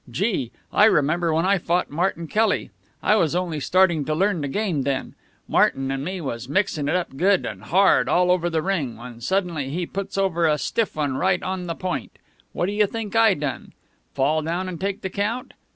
Gee! I remember when I fought Martin Kelly; I was only starting to learn the game then. Martin and me was mixing it good and hard all over the ring, when suddenly he puts over a stiff one right on the point. What do you think I done? Fall down and take the count?